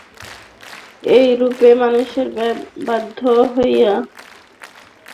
এইরূপে মানুষকে বাধ্য হইয়া জগদতীত সত্তার আলোচনা করিতে হয়।